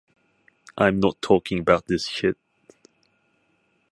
I’m not talking about this shit.